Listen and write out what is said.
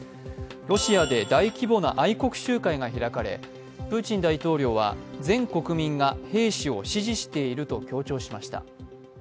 ロシアで大規模な愛国集会が開かれ、プーチン大統領は全国民が兵士を支持していると強調しました。